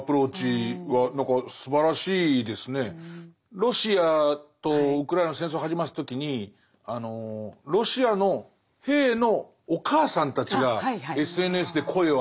ロシアとウクライナの戦争始まった時にあのロシアの兵のお母さんたちがＳＮＳで声を上げたじゃないですか。